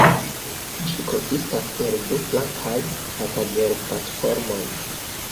Ĝi konsistas el du flankaj pasaĝerplatformoj.